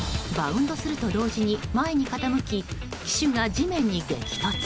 バウンドすると同時に前に傾き機首が地面に激突。